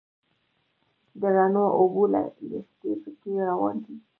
د رڼو اوبو لښتي په کې روان دي.